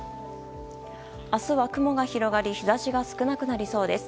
明日は雲が広がり日差しが少なくなりそうです。